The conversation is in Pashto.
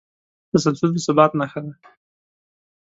تسلسل د ثبات نښه ده.